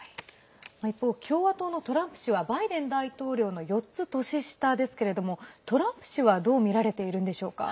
一方、共和党のトランプ氏はバイデン大統領の４つ年下ですがトランプ氏はどう見られているんでしょうか。